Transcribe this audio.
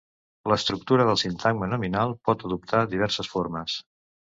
L'estructura del sintagma nominal pot adoptar diverses formes.